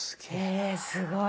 えすごい。